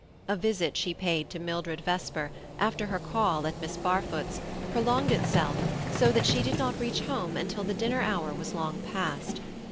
A visit she paid to Mildred Vesper, after her call at Miss Barfoot's, prolonged itself so that she did not reach home until the dinner hour was long past.